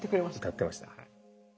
歌ってましたね。